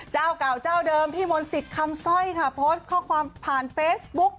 เจ้าเก่าเจ้าเดิมพี่มนต์สิทธิ์คำสร้อยค่ะโพสต์ข้อความผ่านเฟซบุ๊ก